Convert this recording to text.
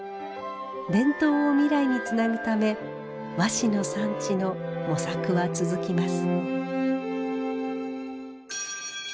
伝統を未来につなぐため和紙の産地の模索は続きます。